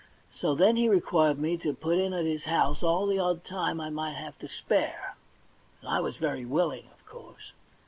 So then he required me to put in at his house all the odd time I might have to spare, and I was very willipg, of course.